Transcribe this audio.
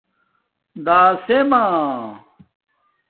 دَاسیمݳ